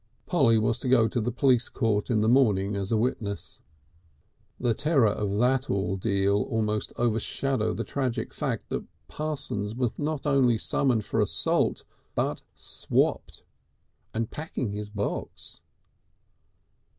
Polly was to go to the police court in the morning as a witness. The terror of that ordeal almost overshadowed the tragic fact that Parsons was not only summoned for assault, but "swapped," and packing his box.